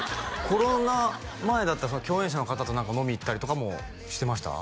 コロナ前だったら共演者の方と何か飲みに行ったりとかもしてました？